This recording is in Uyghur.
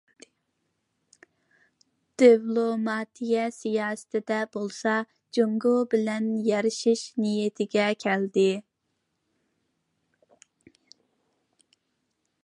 دىپلوماتىيە سىياسىتىدە بولسا، جۇڭگو بىلەن يارىشىش نىيىتىگە كەلدى.